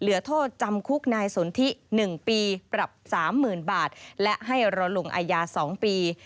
เหลือโทษจำคุกนายสนทิ๑ปีปรับ๓๐๐๐บาทและให้รอลงอาญา๒ปี